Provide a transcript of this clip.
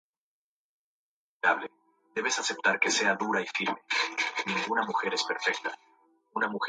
Su plan fue repetir la imagen cada mes con un color de fondo distinto.